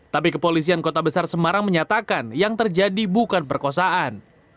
tapi kepolisian kota besar semarang menyatakan yang terjadi bukan perkosaan